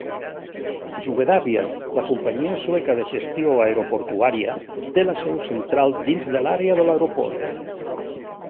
Swedavia, la companyia sueca de gestió aeroportuària, té la seu central dins de l'àrea de l'aeroport.